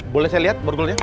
boleh saya lihat borgolnya